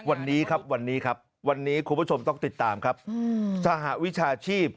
อันนี้เรายังไม่รู้